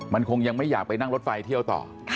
มันคงยังไม่อยากไปนั่งรถไฟเที่ยวต่อ